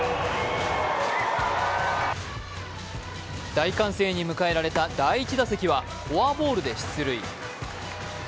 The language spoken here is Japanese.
大歓声に迎えられた第１打席はフォアボールで出塁。